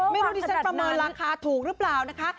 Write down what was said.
ไม่รู้ดิฉันประเมินราคาถูกหรือเปล่านะคะ